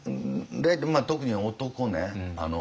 特に男ね